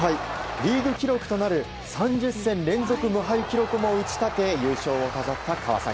リーグ記録となる３０戦連続無敗記録も打ち立て優勝を飾った川崎。